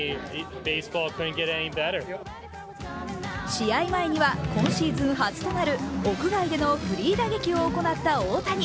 試合前には今シーズン初となる屋外でのフリー打撃を行った大谷。